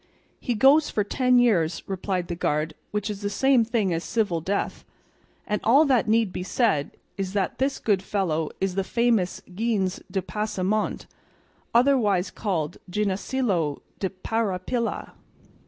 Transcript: "He goes for ten years," replied the guard, "which is the same thing as civil death, and all that need be said is that this good fellow is the famous Gines de Pasamonte, otherwise called Ginesillo de Parapilla."